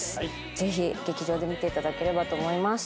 ぜひ劇場で見ていただければと思います。